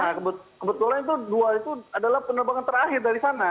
nah kebetulan itu dua itu adalah penerbangan terakhir dari sana